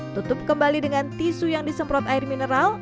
tutup kembali dengan tisu yang disemprot air mineral